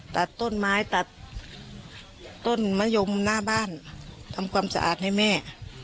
ตัดต้นไม้ตัดต้นมะยมหน้าบ้านทำความสะอาดให้แม่